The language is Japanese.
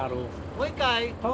もう一回！